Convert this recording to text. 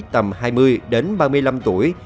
tầm hai mươi đến ba mươi năm tuổi